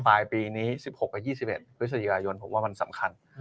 ปลายปีนี้๑๖๒๑วิทยาลัยยนต์ผมว่ามันสำคัญ